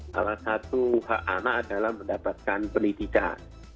salah satu hak anak adalah mendapatkan pendidikan